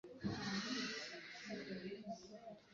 Mandera amaze imyaka irenga itatu ntacyo yumva kuri Musonera.